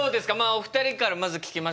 お二人からまず聞きましょうか。